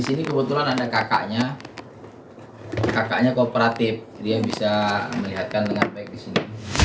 nah disini kebetulan ada kakaknya kakaknya kooperatif dia bisa melihatkan dengan baik disini